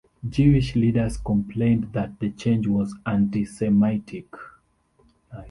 Jewish leaders complained that the change was antisemitic.